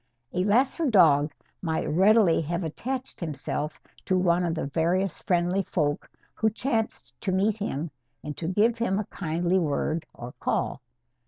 A lesser dog might readily have attached himself to one of the various friendly folk who chanced to meet him and to give him a kindly word or call.